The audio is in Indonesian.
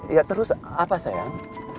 ya terus apa sayang